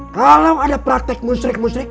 kalau ada praktek kemusyrikan